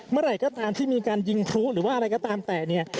เมื่อไหร่ก็ตามที่มีการยิงพลุหรือว่าอะไรก็ตามแต่เนี่ย